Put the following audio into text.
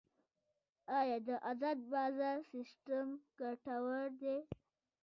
آیا د ازاد بازار سیستم ګټور دی؟